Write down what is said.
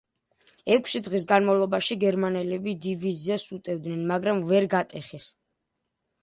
ექვსი დღის განმავლობაში გერმანელები დივიზიას უტევდნენ, მაგრამ ვერ გატეხეს.